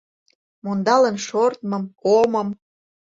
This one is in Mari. Мондалын шортмым, омым